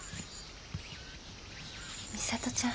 美里ちゃん